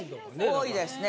多いですね。